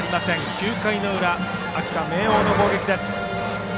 ９回の裏、秋田・明桜の攻撃です。